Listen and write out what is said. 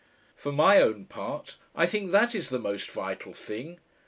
For my own part, I think that is the Most Vital Thing.